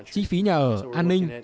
chi phí nhà ở an ninh